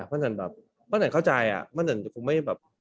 มันจนเข้าใจมันจนจะคงไม่แบบ